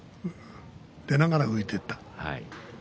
出ながら浮いている。